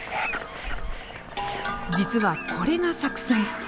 実はこれが作戦。